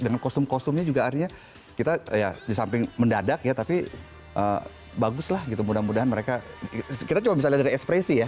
dengan kostum kostumnya juga artinya kita ya di samping mendadak ya tapi baguslah gitu mudah mudahan mereka kita cuma bisa lihat dari ekspresi ya